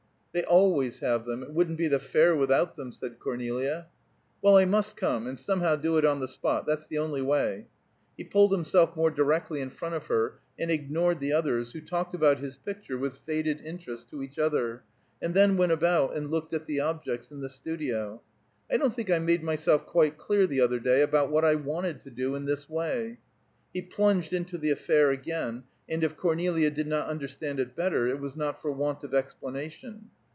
"They always have them; it wouldn't be the Fair without them," said Cornelia. "Well, I must come, and somehow do it on the spot; that's the only way." He pulled himself more directly in front of her and ignored the others, who talked about his picture with faded interest to each other, and then went about, and looked at the objects in the studio. "I don't think I made myself quite clear the other day, about what I wanted to do in this way." He plunged into the affair again, and if Cornelia did not understand it better, it was not for want of explanation.